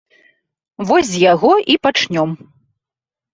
Вось з яго і пачнём.